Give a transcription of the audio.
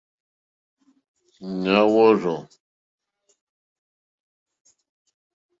Ŋmáá wòrzô.